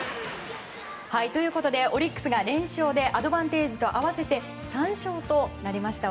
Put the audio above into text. ということでオリックスが連勝でアドバンテージと合わせて３勝となりました。